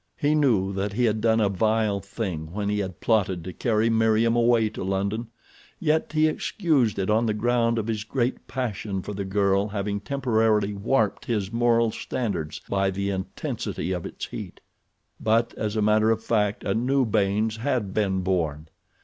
He knew that he had done a vile thing when he had plotted to carry Meriem away to London, yet he excused it on the ground of his great passion for the girl having temporarily warped his moral standards by the intensity of its heat. But, as a matter of fact, a new Baynes had been born.